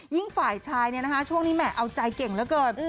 ยิ่งฝ่ายชายเนี่ยนะคะช่วงนี้แหมะเอาใจเก่งแล้วเกิน